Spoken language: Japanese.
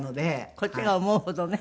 こっちが思うほどね。